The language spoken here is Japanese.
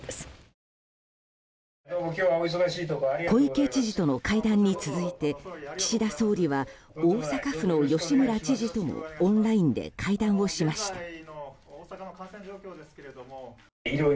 小池知事との会談に続いて岸田総理は大阪府の吉村知事ともオンラインで会談をしました。